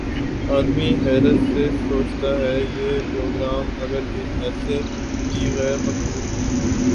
آدمی حیرت سے سوچتا ہے: یہ پروگرام اگر ایسے ہی غیر مقبول ہیں